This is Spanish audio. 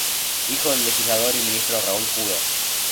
Hijo del legislador y ministro Raúl Jude.